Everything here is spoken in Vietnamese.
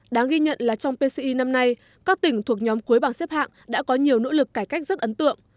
đáng ghi nhận là trong pci năm nay các tỉnh thuộc nhóm cuối bảng xếp hạng đã có nhiều nỗ lực cải cách rất ấn tượng